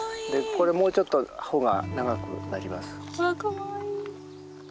これもうちょっと穂が長くなります。